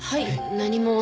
何も。